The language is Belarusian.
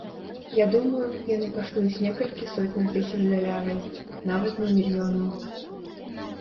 Я думаю, яны каштуюць некалькі сотняў тысяч даляраў, нават не мільёнаў.